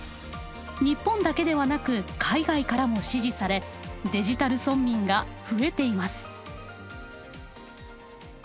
日本だけではなく海外からも支持されデジタル村民が増えています。